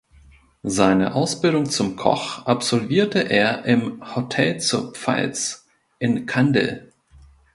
Seine Ausbildung zum Koch absolvierte er im "Hotel zur Pfalz" in Kandel.